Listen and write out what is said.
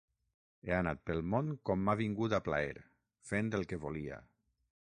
He anat pel món com m’ha vingut a plaer, fent el que volia.